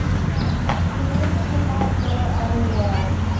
The meeting did not go at all well.